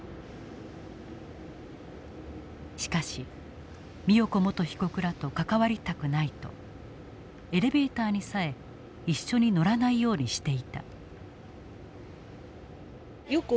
しかし美代子元被告らと関わりたくないとエレベーターにさえ一緒に乗らないようにしていた。